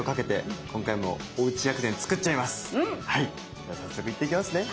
では早速行ってきますね。